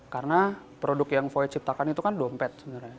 karena produk yang voyage ciptakan itu kan dompet sebenarnya